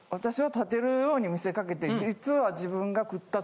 私は。